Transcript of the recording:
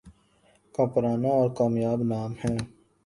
کا پرانا اور کامیاب نام ہے